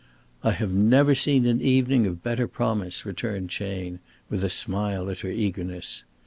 "I have never seen an evening of better promise," returned Chayne, with a smile at her eagerness.